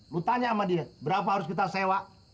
lu tanya sama dia berapa harus kita sewa